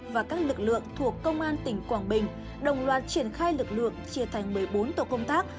và các lực lượng thuộc công an tỉnh quảng bình đồng loạt triển khai lực lượng chia thành một mươi bốn tổ công tác